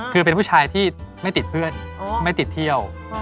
คือเป็นผู้ชายที่ไม่ติดเพื่อนไม่ติดเที่ยว